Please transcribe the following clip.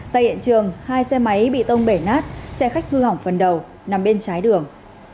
tại hiện trường hai xe máy bị tông bể nát xe khách hư hỏng phần đầu nằm bên trái đường